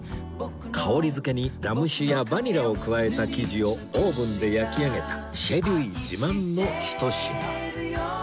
香り付けにラム酒やバニラを加えた生地をオーブンで焼き上げたシェ・リュイ自慢のひと品